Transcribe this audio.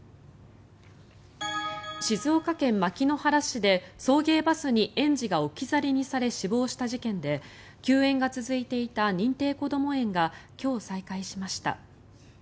静岡県牧之原市で送迎バスに園児が置き去りにされ死亡した事件で休園が続いていた認定こども園が今日、再開しました。